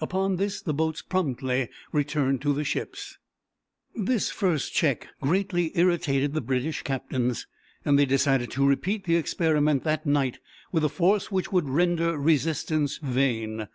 Upon this the boats promptly returned to the ships. This first check greatly irritated the British captains, and they decided to repeat the experiment that night with a force which would render resistance vain.